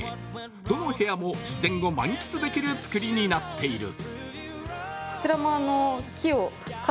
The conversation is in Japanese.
どの部屋も自然を満喫できる造りになっている。